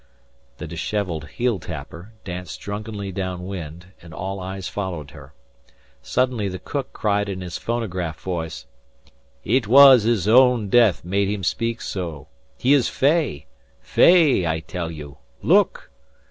The disheveled "heel tapper" danced drunkenly down wind, and all eyes followed her. Suddenly the cook cried in his phonograph voice: "It wass his own death made him speak so! He iss fey fey, I tell you! Look!"